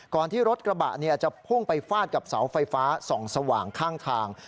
ที่รถกระบะจะพุ่งไปฟาดกับเสาไฟฟ้าส่องสว่างข้างทาง